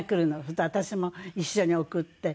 すると私も一緒に送って。